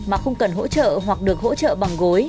mà không cần hỗ trợ hoặc được hỗ trợ bằng gối